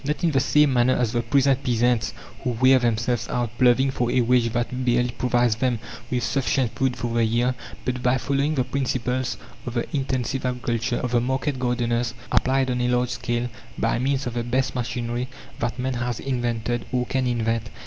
Not in the same manner as the present peasants who wear themselves out, ploughing for a wage that barely provides them with sufficient food for the year, but by following the principles of the intensive agriculture, of the market gardeners, applied on a large scale by means of the best machinery that man has invented or can invent.